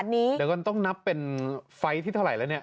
เดี๋ยวก่อนต้องนับเป็นไฟล์ที่เท่าไหร่แล้วเนี่ย